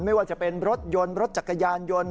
ไม่ว่าจะเป็นรถยนต์รถจักรยานยนต์